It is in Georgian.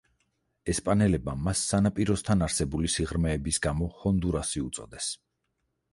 ესპანელებმა მას სანაპიროსთან არსებული სიღრმეების გამო ჰონდურასი უწოდეს.